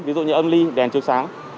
ví dụ như âm ly đèn trường sáng